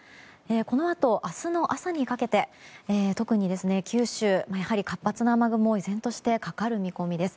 このあと、明日の朝にかけて特に九州、活発な雨雲が依然としてかかる見込みです。